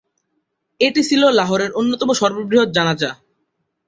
এটি ছিল লাহোরের অন্যতম সর্ববৃহৎ জানাজা।